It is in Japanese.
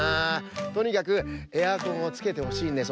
とにかくエアコンをつけてほしいんです。